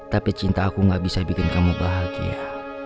tapi cinta aku gak bisa bikin kamu bahagia